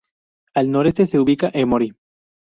Al noreste se ubica Emory.